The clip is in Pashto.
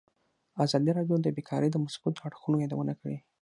ازادي راډیو د بیکاري د مثبتو اړخونو یادونه کړې.